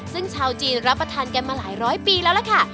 ซึ่งชาวจีนรับประทานกันมาหลายร้อยปีแล้วล่ะค่ะ